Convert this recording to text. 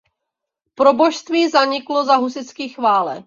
Proboštství zaniklo za husitských válek.